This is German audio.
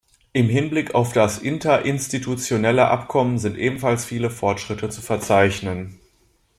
Im Hinblick auf das interinstitutionelle Abkommen sind ebenfalls viele Fortschritte zu verzeichnen.